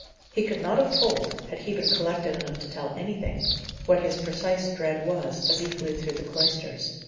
He could not have told (had he been collected enough to tell anything) what his precise dread was, as he flew through the cloisters.